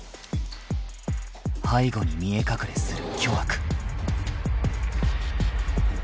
［背後に見え隠れする巨悪］